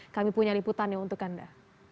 kami punya liputannya untuk anda